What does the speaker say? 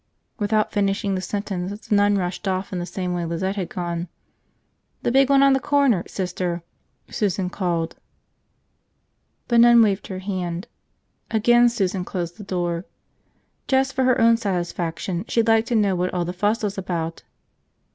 Without finishing the sentence, the nun rushed off in the same way Lizette had gone. "The big one on the corner, Sister!" Susan called. The nun waved her hand. Again Susan closed the door. Just for her own satisfaction, she'd like to know what all the fuss was about.